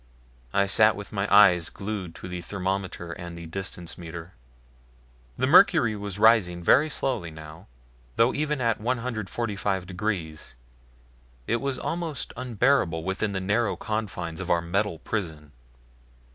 I sat with my eyes glued to the thermometer and the distance meter. The mercury was rising very slowly now, though even at 145 degrees it was almost unbearable within the narrow confines of our metal prison.